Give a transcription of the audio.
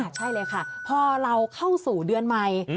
ใช่เลยค่ะพอเราเข้าสู่เดือนใหม่